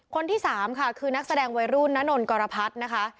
คนที่สามค่ะคือนักแสดงวัยรุ่นนานนกรพัฒน์นะคะ